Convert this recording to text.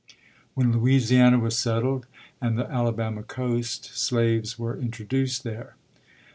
When Louisiana was settled and the Alabama coast, slaves were introduced there.